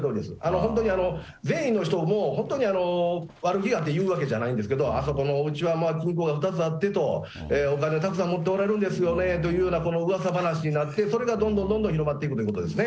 本当に善意の人も、本当に、悪気があってというわけじゃないんですけど、あそこのおうちは金庫が２つあってと、お金たくさん持っておられるんですよねといううわさ話になって、それがどんどんどんどん広まっていくということですね。